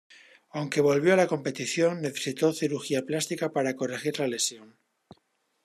Aunque volvió a la competición, necesitó cirugía plástica para corregir la lesión.